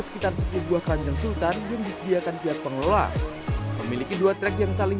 sekitar sepuluh buah keranjang sultan yang disediakan pihak pengelola memiliki dua trek yang saling